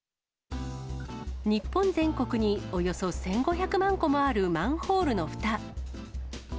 日本全国におよそ１５００万個もあるマンホールのふた。